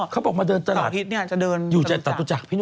เขาบอกมาเดินตลาดอยู่ในต่อตุจักรพี่หนุ่ม